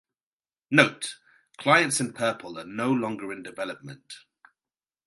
Note: Clients in purple are no longer in development.